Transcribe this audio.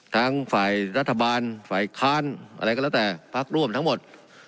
ทั้งฝ่ายรัฐบาลฝ่ายค้านอะไรก็แล้วแต่พักร่วมทั้งหมด